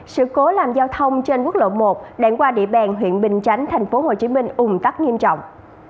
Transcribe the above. sự cố làm giao thông trên quốc lộ một đoạn qua địa bàn huyện bình chánh tp hcm ung tắc nghiêm trọng